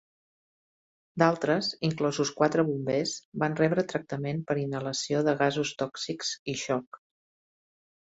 D'altres, inclosos quatre bombers, van rebre tractament per inhalació de gasos tòxics i xoc.